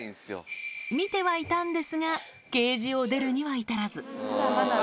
見てはいたんですが、ケージを出るには至らず。